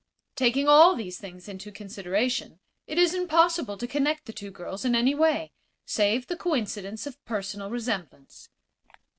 Taking all these things into consideration, it is impossible to connect the two girls in any way save the coincidence of personal resemblance."